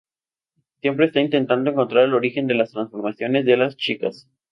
Siempre está intentando encontrar el origen de las transformaciones de las chicas.